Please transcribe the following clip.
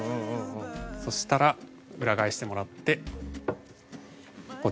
そしたら裏返してもらってこちらを。